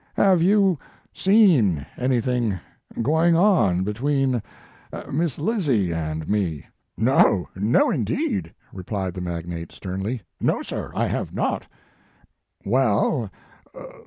"Have you seen anything going on between Miss Lizzie and me ?" "No, no, indeed !" replied the mag nate sternly. "No, sir; I have not." "Well!